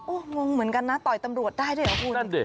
โอ้เหมือนกันนะต่อยตำรวจได้ด้วยหรอคุณ